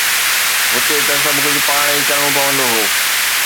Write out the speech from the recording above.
هتي ته سڀ ڪجهه پاڻ ئي ڪرڻو پوندو هو